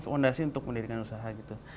fondasi untuk mendirikan usaha gitu